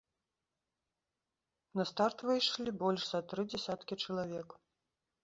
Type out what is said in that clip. На старт выйшлі больш за тры дзясяткі чалавек.